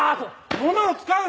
物を使うな。